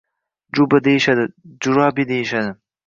Juba deyishadi, jurabi deyishadi.